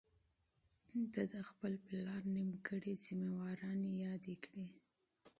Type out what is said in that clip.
ده د خپل پلار ناتمام ماموریت یاد کړ.